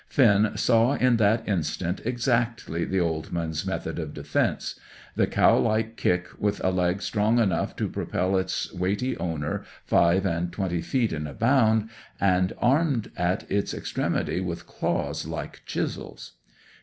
Finn saw in that instant exactly the old man's method of defence: the cow like kick, with a leg strong enough to propel its weighty owner five and twenty feet in a bound, and armed at its extremity with claws like chisels.